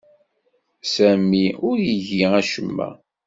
Sami ur igi acemma.